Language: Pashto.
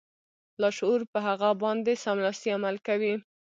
لاشعور په هغه باندې سملاسي عمل کوي